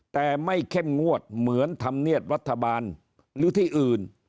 แต่ไม่เข้มงวดเหมือนธรรมเนียบรัฐบาลหรือที่อื่น